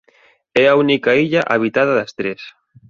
É a única illa habitada das tres.